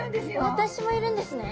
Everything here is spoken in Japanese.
私もいるんですね。